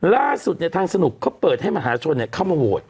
ล่าสุดทางสนุกเขาเปิดให้มหาชนเข้ามาโหวต